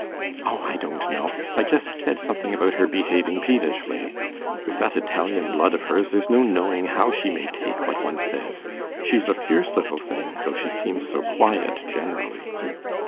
'O, I don't know. I just said something about her behaving peevishly. With that Italian blood of hers, there's no knowing how she may take what one says. She's a fierce little thing, though she seems so quiet generally.